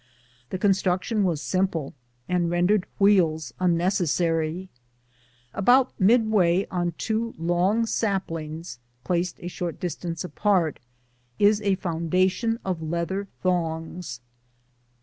The construction was simple, and rendered wheels unneces sary. About midway on two long saplings, placed a short distance apart, is a foundation of leather thongs.